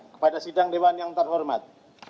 kepada sidang dewan yang terhormat